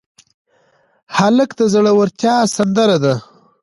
هلک د زړورتیا سندره ده.